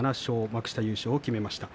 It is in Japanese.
幕下優勝を決めました。